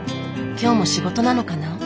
今日も仕事なのかな？